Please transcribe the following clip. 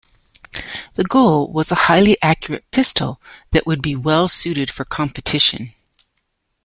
The goal was a highly accurate pistol that would be well suited for competition.